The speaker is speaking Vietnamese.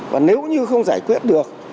và nếu như không giải quyết được